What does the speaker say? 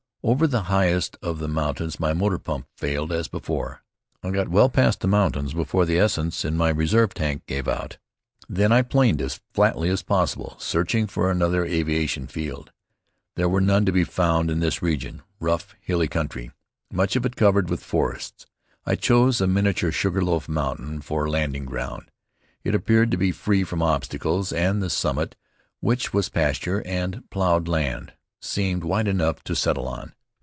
Over the highest of the mountains my motor pump failed as before. I got well past the mountains before the essence in my reserve tank gave out. Then I planed as flatly as possible, searching for another aviation field. There were none to be found in this region, rough, hilly country, much of it covered with forests. I chose a miniature sugar loaf mountain for landing ground. It appeared to be free from obstacles, and the summit, which was pasture and ploughed land, seemed wide enough to settle on.